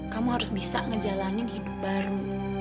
kamu harus bisa ngejalanin hidup baru